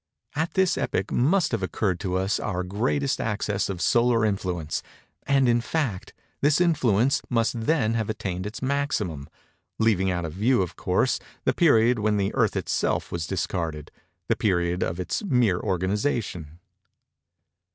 At this epoch must have occurred to us our greatest access of solar influence; and, in fact, this influence must then have attained its maximum:—leaving out of view, of course, the period when the Earth itself was discarded—the period of its mere organization.